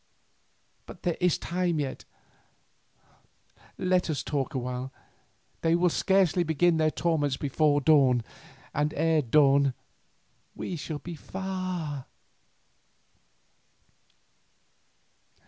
But there is time yet; let us talk a while, they will scarcely begin their torments before the dawn, and ere dawn we shall be far."